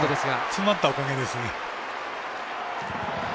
詰まったおかげですね。